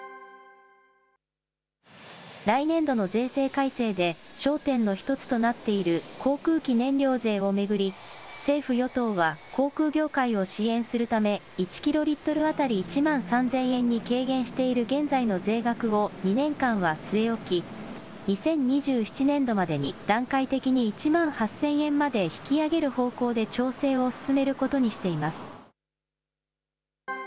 来年度の税制改正で、焦点の一つとなっている航空機燃料税を巡り、政府・与党は航空業界を支援するため、１キロリットル当たり１万３０００円に軽減している現在の税額を２年間は据え置き、２０２７年度までに、段階的に１万８０００円まで引き上げる方向で調整を進めることにしています。